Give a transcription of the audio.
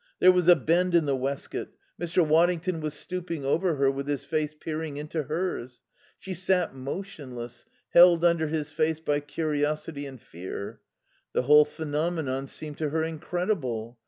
There was a bend in the waistcoat. Mr. Waddington was stooping over her with his face peering into hers. She sat motionless, held under his face by curiosity and fear. The whole phenomenon seemed to her incredible.